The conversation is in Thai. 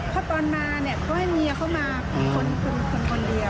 เพราะตอนมาก็ให้เมียเขามาคนเดียว